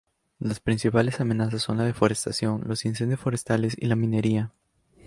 Las principales amenazas son la deforestación, los incendios forestales y la minería.